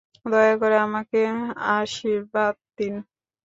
দয়া করে আমাকে আশীর্বাদ দিন!